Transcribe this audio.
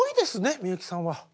みゆきさんは。